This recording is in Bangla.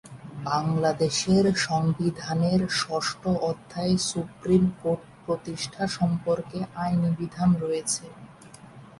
বাংলাদেশের সংবিধানের ষষ্ঠ অধ্যায়ে সুপ্রীম কোর্ট প্রতিষ্ঠা সম্পর্কে আইনি বিধান রয়েছে।